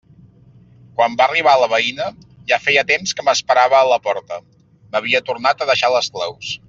Quan va arribar la veïna, ja feia temps que m'esperava a la porta: m'havia tornat a deixar les claus.